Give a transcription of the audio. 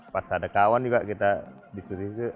pas ada kawan juga kita diskuti itu